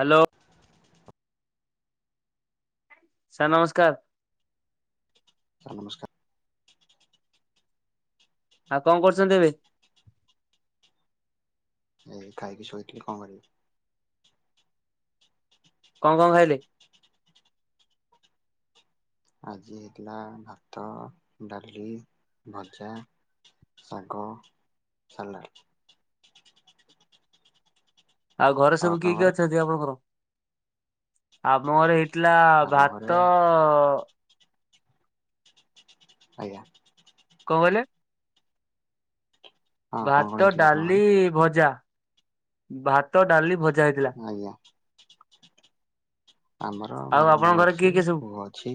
Hello. Sir ନମସ୍କାର। [inaudible] Sir ନମସ୍କାର। [inaudible] ଆଉ କଣକରୁଛନ୍ତି ଏବେ। [inaudible] ଏ ଖାଇକି ଶୋଇଥିଲି କଣକରିବି। କଣକଣ ଖାଇଲେ? [inaudible] ଆଜି ହେଇଥିଲା ଭାତ, ଡାଲି, ଭଜା। ଶାଗ, ସାଲାଟ। ଆଉ ଘରେ ସବୁ କିଏକିଏ ଅଛନ୍ତି ଆପଣଙ୍କର [inaudible] ଆମ ଘରେ ଏ ଥିଲା ଆମ ଘରେ ଭାତଅ ଆଜ୍ଞା। କଣକହିଲେ? ହଁ କଣ କଣ ଭାତ, ହେଇଥିଲା ଆପଣଙ୍କ ଡାଲି, ଘରେ ଭଜା। ଭାତ, ଡାଲି, ଭ ଆଜ୍ଞା। ଆମର ଆଉ ଘରେ ମୁଁ ଆପଣଙ୍କ କିଏ ଅଛି କିଏ ସବୁ? ପୁଅ ଅଛି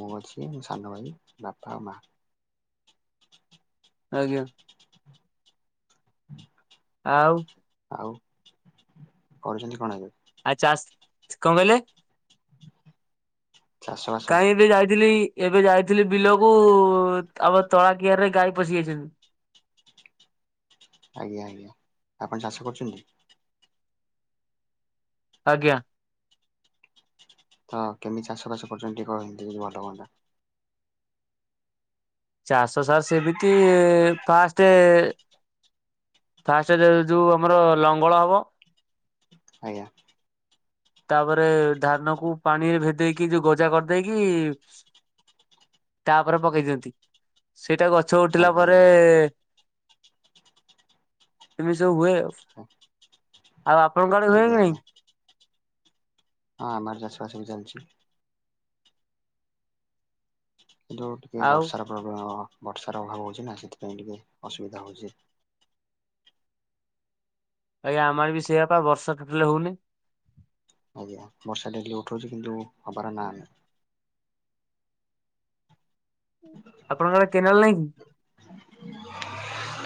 ମୁଁ ଅଛି ସାନ ଭାଇ ବାପା ମାଆ। ଆଜ୍ଞା। [inaudible] ଆଉ ଆଉ [inaudible] କରୁଛନ୍ତିକଣ ଏବେ? ଆଉ ଚାଷ୍‌କଣ କହିଲେ ଚାଷ ବାସ କାଇହିଁ ଏବେ ଯାଇଥିଲି। ଏବେ ଯାଇଥିଲି ବିଲକୁ ଆମ ତଳକିିଆରିରେ ଗାଈ ପଶିଯାଇଛନ୍ତି। [inaudible] ଆଜ୍ଞାଆଜ୍ଞା ଆପଣ ଚାଷ କରୁଛନ୍ତି। ଆଜ୍ଞା। ତ କେମିତି ଚାଷବାଷ କରୁଛନ୍ତି ଟିକେ କହନ୍ତେ ଭଲହୁଅନ୍ତା। ଚାଷ ସାର୍ ସେମିତି ଫାଷ୍ଟେ। ଫାଷ୍ଟ ଯୋଉ ଆମର ଲଙ୍ଗଳ ହବ। ଆଜ୍ଞା। ତାପରେ ଧାନକୁ ପାଣିରେ ଭେଦେଇକି ଯୋଉ ଗଜାକରିଦେଇକି। ତାପରେ ପକେଇଦିଅନ୍ତି ସେଇଟା ଗଛଉଠିଲା ଆଜ୍ଞା ପରେ। ଆଜ୍ଞା [inaudible] ଏମି ସବୁହୁଏ ଆଉ ଆପଣଙ୍କଆଡେ ହୁଏ ଆଜ୍ଞା କି ନାଇଁ। ଆଜ୍ଞା ହଁ ଆମର ଚାଷବାସ ବି ଜାଣିଚୁ। କିନ୍ତୁ ଟିକେ ଆଉ ବର୍ଷାର ପ୍ରୋବ୍ଲେମ ହବ। ବର୍ଷାର ଅଭାବ ହଉଛିନା ସେଥିପାଇଁ ଟିକେ ଅସୁବିଧା ହଉଛି। ଆଜ୍ଞା ଆମର ବି ସେଇଆପା ବର୍ଷା ଟୋଟାଲ ହଉନି। ଆଜ୍ଞା ବର୍ଷା ଦେଖଲି ଉଠଉଛି କିନ୍ତୁ ହବାର ନା ନାହିଁ। ଆପଣଙ୍କର କେନାଲ ନାଇଁ କି?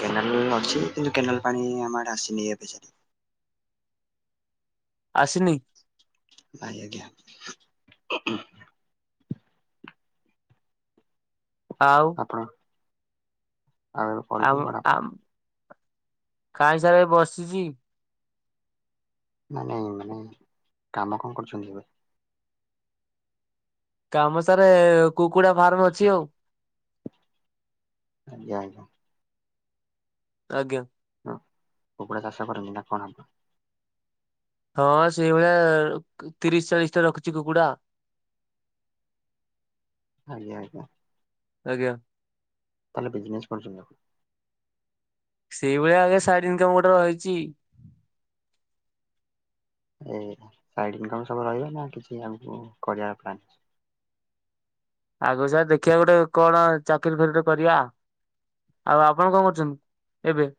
କେନାଲ ଅଛି କିନ୍ତୁ କେନାଲ ପାଣି ଆମର ଆସିନ ଏବେ ଯାଏଁ। ଆସିନି। ନାଇଁ ଆଜ୍ଞା। ଆଉ। ଆପଣ ଆଉ ଅଳ୍ପୀ ପଣା ଫଣା। ଖାଇ ସାରି ବସିଛି। ମାନେ ମାନେ କାମ କଣ କରୁଛନ୍ତି ଏବେ। କାମ ସାରେ କୁକୁଡାଫାର୍ମ ଅଛି ଆଉ। ଆଜ୍ଞା ଆଜ୍ଞା। ଆଜ୍ଞା। ହଁ କୁକୁଡ଼ା ଚାଷ କରନ୍ତି ନା କଣ। ହଁ ସେଇଭଳିଆ ତିରିଶ ଚାଳିଶ ଟା ରଖୁଛି କୁକୁଡା। [inaudible] ଆଜ୍ଞା ଆଜ୍ଞା। ଆଜ୍ଞା। ତାଲେ ବିଜିନେସ୍ କରୁଛନ୍ତି ଆପଣ? ସେଇଭଳିଆ ଆଗେ ସାଇଡ ଇନକମ ଗୋଟେ ରହିଛି। ଏ ସାଇଡ ଇନକମ ସବୁ ରହିବ ନା କିଛି ଆଗକୁ କରିବା ପ୍ଲାନ। ଆଗରୁ ସାର୍ ଦେଖିବା ଗୋଟେ କଣ ଚାକିରି ଫାକିରୀ ଗୁଟେ କରିବା। ଆଉ ଆପଣ କଣ କରୁଛନ୍ତି, ଏବେ।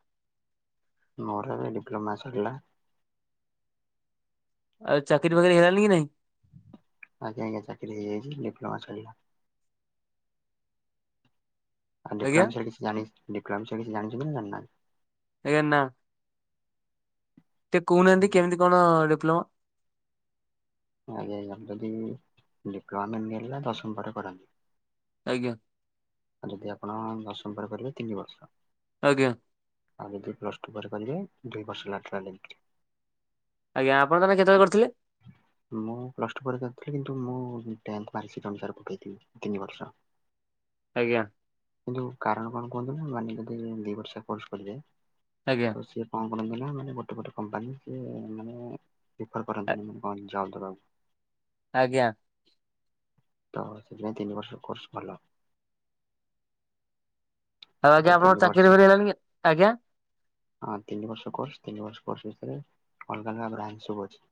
ମୋର ଏବେ ଡିପ୍ଲୋମା ସରିଲା। ଆ ଚାକିରି ବାକିରି ହେଲାଣିକି କି ନହିଁ। ଆଜ୍ଞା ଆଜ୍ଞା ଚାକିରି ହେଇଯାଇଛି, ଡିପ୍ଲୋମା ସରିଲା। ଆ ଆଜ୍ଞା ଡିପ୍ଲୋମା ବିଷୟରେ କିଛି ଜାଣି ଡିପ୍ଲୋମା ବିଷୟରେ କିଛି ଜାଣିଛନ୍ତି ନା ଜାଣିନାଁହାନ୍ତି, ଏ ନା। ଟିକେ କହୁନାହାନ୍ତି କେମିତି କଣ ଡିପ୍ଲମା। ଆଜ୍ଞାାଆଜ୍ଞା ଯଦି ଡିପ୍ଲୋମା ମିଳିଲା ଦଶମ ପରେ କରନ୍ତି। ଆଜ୍ଞା। ଯଦି ଆପଣ ଦଶମ ପରେ କରିବେ ତିନି ବର୍ଷ। ଆଜ୍ଞା। ଆଉ ଯଦି ପ୍ଲସଟୁ ପରେ କରିବେ ଦୁଇ ବର୍ଷ [inaudible] ମୁଁ ଆଜ୍ଞା ଆପଣ ତାହେଲେ କେତେବେଳେ କରିଥିଲେ ପ୍ଲସ ଟୁ ପରୀକ୍ଷା ଦେଇଥିଲି କିନ୍ତୁ ମୁଁ ଟେନ୍ତ ପରିସ ତାଙ୍କର ପକେଇଥିଲି ତିନି ବର୍ଷ। ଆଜ୍ଞା କିନ୍ତୁ କାରଣ କଣ କୁହନ୍ତୁ ନା ମାନ ଯଦି ଦି ବର୍ଷା କୋର୍ସ କରିଦିଏ। ଆଜ୍ଞା ତ ସିଏ କଣ କରଥିଲା ମାନେ ଗୋଟେ ଗୋଟେ କମ୍ପାନୀ ସ ମାନେ ବେପାର କରନ୍ତିନି କଣ ଜବ କର। ଆଜ୍ଞା। ତମେ ସେଦିନାଇ ତିନି ବର୍ର କୋର୍ସ ଭଲ। ଆଉ ତ ଆଜ୍ଞା ତିନି ଆପଣଙ୍କର ବର୍ଷ ଚାକିରି ଫରି ହେଲାଣି କି ଆଜ୍ଞା। ହଁ ତିନି ବର୍ଷ କୋର୍ସ ତିନ ବର୍ଷ କୋର୍ସ ଭିତରେ ଅଲଗା ଅଲଗା ନ୍ରଞ୍ଚ ସବୁ ଅଛି।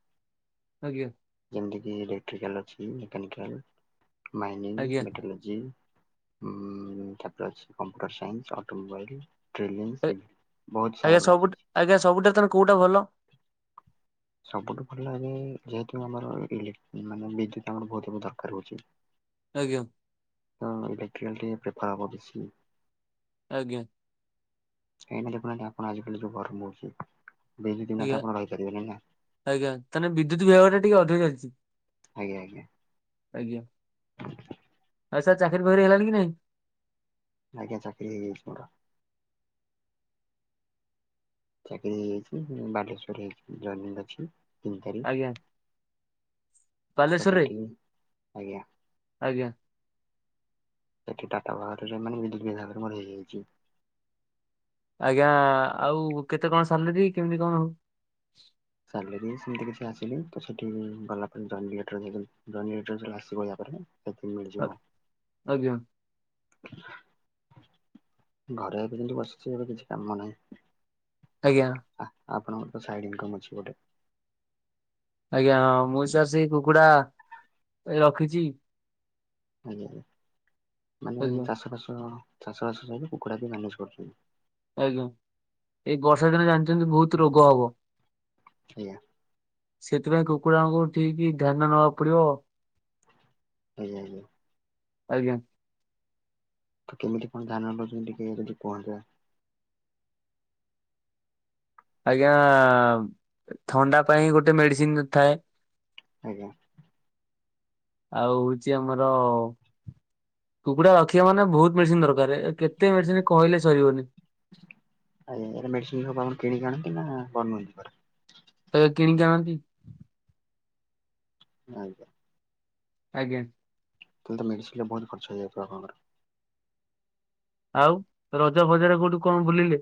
ଆଜ୍ଞା। ଯେମିତି କି ଇଲେକ୍ଟ୍ରିକାଲ ଅଛି ମେକାନିକାଲ ମାଇନିଂ ଆଜ୍ଞା ମେଟାଲୋଜି। ହୁଁ ତାପରେ ଅଛି କମ୍ପିୁଟାର ସାଇନ୍ସ ଅଟୋମୋବାଇଲ। ଟ୍ରେଲିଂ ସିଭିଲ୍ ବହୁତ ସାରା ଆଜ୍ଞା ବ୍ରାଞ୍ଚ ସବୁଠ ଅଛି ଆଜ୍ଞା ସବୁଠା ତ କୋଉଟା ଭଲ। ସବୁଠୁ ଭଲ ଏବେ ଯେହେତୁ ଆମରଇ ମାନେ ବିଦ୍ୟୁତ ଆମର ବହୁତ ଦରକାର ହଉଛି। ଆଜ୍ଞା ତ ଇଲେକ୍ଟ୍ରିକଲଟି ପ୍ରେଫାର ହେବ ବେଶି। ଆଜ୍ଞା। ସେଇନା ଦେଖୁନାହାନ୍ତି ଆପଣ ଆଜିକାଲି ଯୋଉ ଗରମ ହଉଛି ବେ ବି ଦିନ ତ ଆଜ୍ଞା ଆପଣ ରହିପାରିବେ ନାଇ ନା। ଆଜ୍ଞା ତାହେଲେ ବିଦ୍ୟୁତ ବିଭାଗର ଟା ଟିକେ ଅଧିକ ଚାଲିଚି। ଆଜ୍ଞା ଆଜ୍ଞା। ଆଜ୍ଞା। ଆଉ ସାର୍ ଚାକିରି ବାକିରି ହେଇଲାଣି କି ନାଇଁ? ଆଜ୍ଞା ଚାକିରି ହେଇଯାଇଚି ପଢା। ଚାକିରି ହେଇଯାଇଛି ବାଲେଶ୍ଵର ହେଇଛି ଜୟନ ଅଛି ତିନ ଆଜ୍ଞା ତାରିଖ। ତ ବାଲେଶ୍ଵରରେ ସେଠି ଆଜ୍ଞା ଆଜ୍ଞା। ସେଠି ଟାଟା ବାରରେ ମାନେ ବିଦ୍ୟୁତ୍ ବିଭାଗରେ ମ ହେଇଯାଇଛି। ଆଜ୍ଞା ଆଉ କେତେ କଣ ସାଲେରୀ କେମିତି କଣ ହଉ? ସାଲରୀ ସେମିତି କିଛି ଆସିଲି ତ ସେଠି ଭ ପରେ ଆସପ ଆଜ୍ଞା। ଘରେ ଏବେ କିନ୍ତୁ ବସିଛି ଏବେ କିଛି କାମ ନାହିଁ। ଆଜ୍ଞା। ଆ ଆପଣଙ୍କର ତ ସାଇଡ ଇନକମ୍ ଅଛି ଗୋଟେ ଆଜ୍ଞା ହଁ ମୁଁ ସାର୍ ସେଇ କୁକୁଡା ଏ ରଖିଛି। ଆଜ୍ଞା ମାନେ ଆଜ୍ଞା ଚାଷବାସ ଚାଷ ବାସ ସହିତ କୁକୁଡ଼ା ବି ମ୍ୟାନେଜେ କରୁଚନ୍ତି। ଆଜ୍ଞା ଏଇ ବର୍ଷା ଦିନ ଜାଣିଛନ୍ତି ବହୁତ ରୋଗ ହବ। ଆଜ୍ଞା। ସେଥିପାଇଁ କୁକୁଡ଼ାଙ୍କୁ ଠିକ ଧ୍ୟାନ ନବାକୁ ପଡିବ। ଆଜ୍ଞା ଆଜ୍ଞା। ଆଜ୍ଞା। ତ କେମିତି କଣ ଧାନ [unintelligible] ଚନ୍ତି ଟିକେ କୁହନ୍ତୁ ଆଜ୍ଞା ଥଣ୍ଡା ପାଇଁ ଗୋଟେ ମେଡିସିନ ଥାଏ ଆଜ୍ଞା। ଆଉ ହଉଛି ଆମର କୁକୁଡା ରଖିବା ମାନେ ବହୁତ ମେଡିସିନ ଦରକାର କେତେ ମେଡିସିନ କହିଲେ ସରିବନି। ଆଜ୍ଞା ଏ ମେଡ଼ିସିନ ସବୁ ଆପଣ କିଣିକି ଆଣନ୍ତି ନା [unintelligible] କିଣିକି ଆଣନ୍ତି। ଆଜ୍ଞା। ଆଜ୍ଞା। ମେଡ଼ିସିନ ରେ ବହୁତ ଖର୍ଚ୍ଚ ହେଇଯାଉଥିବ ଆପଣଙ୍କର ଆଉ ରଜ ବଜାର କୋଉଠୁ କଣ ବୁଲିଲେ?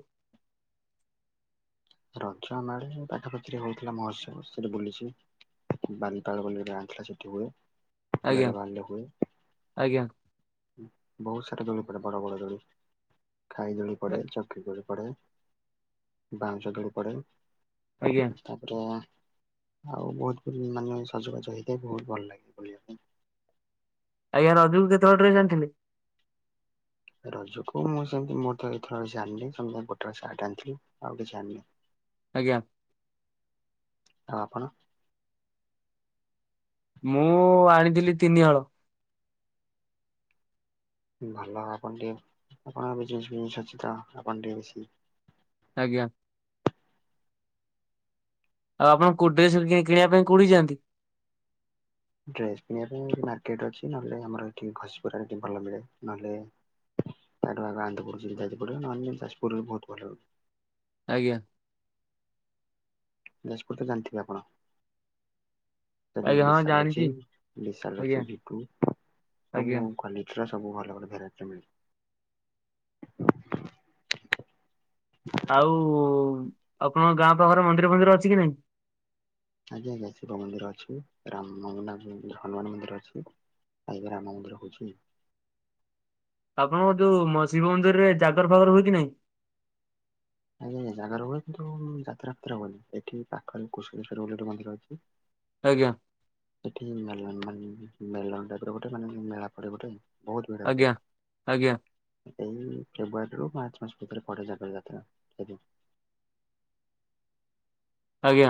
ରଜ ମାନେ ପାଖା ପାଖି ରେ ହେଉଥିଲା ମହୋତ୍ସବ ସେଠି ବୁଲିଚି। ବାଲିପାଳ ବୋଲି ଗାଁ ଥିଲା ସେଠି ହୁଏ। ଆଜ୍ଞା ବେଲ ବାଲି ରେ ହୁଏ ଆଜ୍ଞା। ବହୁତ ସାରା ଦଳକୁ ବଡ ବଡ ଦୋଳି ଖାଇ ଦୋଳି ପଡେ ଚକି ଦୋଳି ପଡେ ବା। ଝଗଡ଼ ପଡେ ଆଜ୍ଞା ତାପରେ ଆଉ ବହୁତ ମାନେ ସଜବାଜ ହେଇଥାଏ ବହୁତ ଭଲ ଲାଗେ ବୁଲିବା ପାଇଁ। ଆଜ୍ଞା ରଜକୁ କେତେହଳ ଡ୍ରେସ ଆଣିଥିଲେ? ରଜକୁ ମୁଁ ସେମିତି ମୋର ତ ଏଥର କିଛି ଆଣିନି ସେ ଗୋଟେ ହଳ ସାର୍ଟ ଆଣିଥିଲି ଆଉ କିଛି ଆଣିନି। ଆଜ୍ଞା। ଆଉ ଆପଣ ମୁଁ ଆଣିଥିଲି ତିନି ହଳ ଭଲ ଆପଣ ଟିକେ ଆପଣ [unintelligible] ଅଛି ତ ଆପଣ ଟିକେ ବେଶି ଆଜ୍ଞା। ଆଉ ଆପଣ କୋଉ ଡ୍ରେସ କିଣିବା ପାଇଁ କୋଉଠି କୁ ଯାଆନ୍ତି? ଡ୍ରେସ କିଣିବା ପାଇଁ ମାର୍କେଟ ଅଛି ନହେଲେ ଆମର ଏଠି ଘଷିପୁରାରେ ଭଲ ମିଳେ ନହେଲେ ତାଠୁ ଆଗ ଆନ୍ଦପୁର କି ଯାଜପୁର ପଡିବ ନହେଲେ ଯାଜପୁରରେ ବହୁତ ଭଲ। ଆଜ୍ଞା। ଯାଜପୁର ତ ଜାଣିଥିବେ ଆପଣ? ସେଠି ଆଜ୍ଞା ହଁ ବିଶାଲ ଅଛି ଜାଣିଛି ବିଶାଲ ଆଜ୍ଞା ଅଛି ଭିକୁ ଆଜ୍ଞା ସବୁ କ୍ୱାଲିଟିର। ସବୁ ଭଲ ଭଲ ଭେରାଇଟିର ମିଳେ। ଆଉ ଆପଣଙ୍କ ଗାଁ ପାଖରେ ମନ୍ଦିର ଫନ୍ଦିର ଅଛି କି ନାଇଁ। ଆଜ୍ଞା ଆଜ୍ଞା ଶିବ ମନ୍ଦିର ଅଛି ରାମ ମଙ୍ଗନାଥ ହନୁମାନ ମନ୍ଦିର ଅଛି। ଆ ଏବେ ରାମ ମନ୍ଦିର ହଉଛି। [inaudible] ଆପଣଙ୍କ ଯୋଉ ମ ଶିବ ମନ୍ଦିରରେ ଜାଗର ଫାଗର ହୁଏ କି ନାହିଁ। ଆଜ୍ଞା ଆଜ୍ଞା ଜାଗର ହୁଏ। କିନ୍ତୁ ଯାତ୍ରା ଫାତ୍ରା ହୁଏନି। ଏଠି ପାଖରେ କୁଶଳେସ୍ୱର ବୋଲି ଗୋଟେ ମନ୍ଦିର ଅଛି। ଆଜ୍ଞା। ସେଠି ମେଲନ ମାନେ ଯେମିତି ମେଲନ ଟାଇପର ଗୋଟେ ମାନେ ମେଳା ପଡେ ଗୋଟେ। ବହୁତ ଭିଡ଼ ହୁଏ ଆଜ୍ଞା ଆଜ୍ଞା ଏଇ ଫେବୃଆରୀରୁ ମରଚ୍ଚ ମାସ। ଏଥିରେ ପଡେ ଜାଗର ଯାତ୍ରା ଆଜ୍ଞା। ଆଜ୍ଞା।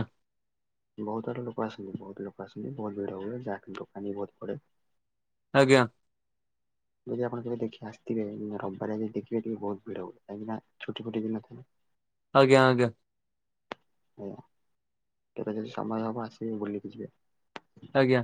ବହୁତ ଆରେ ଲୋକ ଆସନ୍ତି। ବହୁତ ଲୋକ ଆସନ୍ତି। ବହୁତ ଭିଡ଼ ହୁଏ। ଯାହା କି ଦୋକାନୀ ବୋହୁତ ପଡେ। ଆଜ୍ଞା। ଯଦି ଆପଣ କେବେ ଦେଖି ଆସିଥିବେ ରବିବାର ଯଦି ଦେଖିବେ ଟିକେ ବହୁତ ଭିଡ ହୁଏ। କାହିଁକି ନା ଛୁଟି ଫୁଟି ଦିନ ଥିବ। ଆଜ୍ଞା ଆଜ୍ଞା। ଆଜ୍ଞା କେବେ ଯଦି ସମୟ ହବ ଆସିବେ ବୁଲିକି ଯିବେ। ଆଜ୍ଞା।